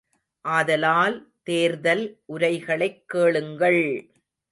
ஆதலால், தேர்தல் உரைகளைக் கேளுங்கள்!